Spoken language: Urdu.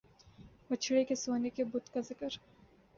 بچھڑے کے سونے کے بت کا ذکر